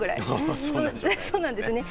そうなんですね。